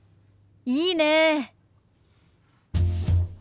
いいねえ。